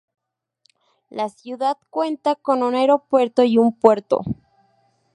La ciudad cuenta con un aeropuerto y un puerto.